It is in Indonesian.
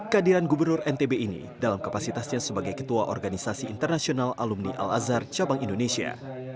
kehadiran gubernur ntb ini dalam kapasitasnya sebagai ketua organisasi internasional alumni al azhar cabang indonesia